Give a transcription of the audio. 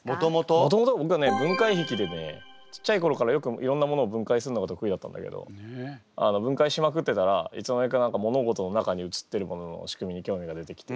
もともとぼくはね分解癖でねちっちゃい頃からよくいろんなものを分解するのが得意だったんだけど分解しまくってたらいつの間にか物事の中にうつってるものの仕組みに興味が出てきて。